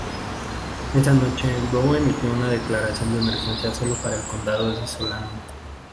Esa noche, Brown emitió una declaración de emergencia para el condado de Solano.